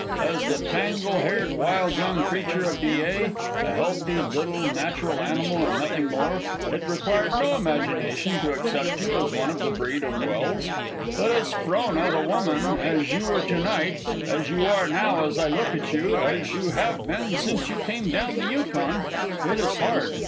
As the tangle haired wild young creature of Dyea, a healthy, little, natural animal and nothing more, it required no imagination to accept you as one of the breed of Welse. But as Frona, the woman, as you were to night, as you are now as I look at you, as you have been since you came down the Yukon, it is hard